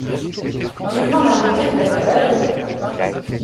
Vivement l'arrivée de la cavalerie.